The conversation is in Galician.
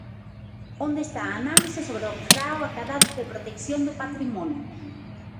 ¿Onde está a análise sobre o grao acadado de protección do patrimonio?